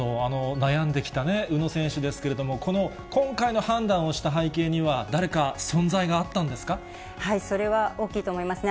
悩んできた宇野選手ですけれども、この今回の判断をした背景には、それは大きいと思いますね。